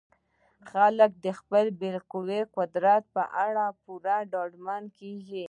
خلک د خپل بالقوه قدرت په اړه پوره ډاډمن کیږي.